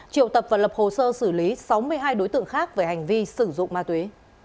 triệu tập và lập hồ sơ xử lý sáu mươi hai đối tượng khác về hành vi sử dụng ma túy